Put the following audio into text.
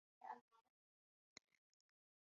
وَالْتَمَسَ بَرِيئًا مِنْ نَبْوَةٍ